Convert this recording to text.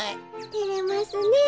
てれますねえ。